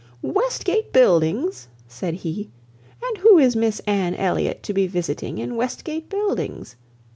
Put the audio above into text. "Westgate Buildings!" said he, "and who is Miss Anne Elliot to be visiting in Westgate Buildings?